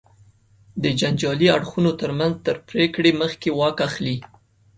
د جنجالي اړخونو تر منځ تر پرېکړې مخکې واک اخلي.